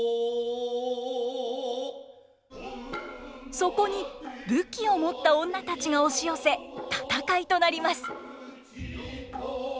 そこに武器を持った女たちが押し寄せ戦いとなります。